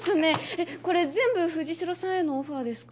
えっこれ全部藤代さんへのオファーですか？